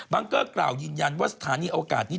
เกอร์กล่าวยืนยันว่าสถานีโอกาสนี้